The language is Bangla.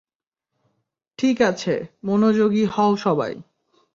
ঠিক আছে, মনোযোগী হও সবাই।